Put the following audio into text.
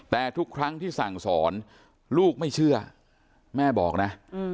แต่ทุกครั้งที่สั่งสอนลูกไม่เชื่อแม่บอกนะ